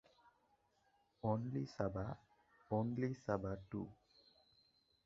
Only Saba ‘only Saba two’.